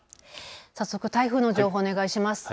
早速台風の情報をお願いします。